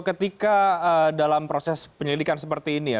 ketika dalam proses penyelidikan seperti ini ya